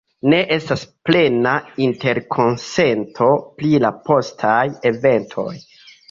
Ne estas plena interkonsento pri la postaj eventoj.